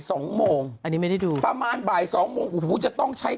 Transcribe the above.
สองโมงอันนี้ไม่ได้ดูประมาณบ่ายสองโมงโอ้โหจะต้องใช้